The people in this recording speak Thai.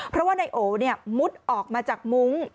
เพราะว่านายโอมุดออกมาจากมุ้ง